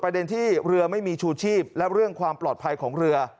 ประเด็นที่เรือไม่มีชูชีพและเรื่องความปลอดภัยของเรือ